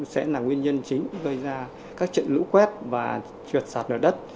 sẽ là nguyên nhân chính gây ra các trận lũ quét và trượt sạt lở đất